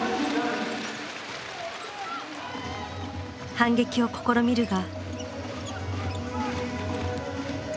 反撃を試みるが。